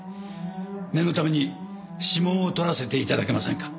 念のために指紋を取らせて頂けませんか？